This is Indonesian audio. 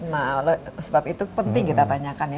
nah oleh sebab itu penting kita tanyakan ya